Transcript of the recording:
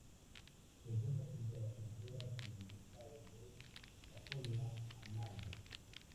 Se encuentra junto a la frontera con el estado de Sajonia-Anhalt.